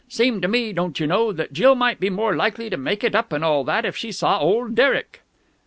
Seemed to me, don't you know, that Jill might be more likely to make it up and all that if she saw old Derek."